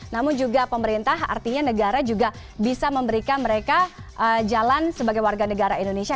namun juga pemerintah artinya negara juga bisa memberikan mereka jalan sebagai warga negara indonesia